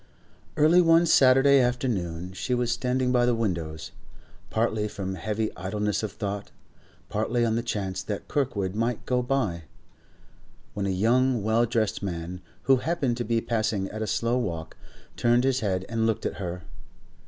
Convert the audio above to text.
Early one Saturday afternoon she was standing by the windows, partly from heavy idleness of thought, partly on the chance that Kirkwood might go by, when a young, well dressed man, who happened to be passing at a slow walk, turned his head and looked at her.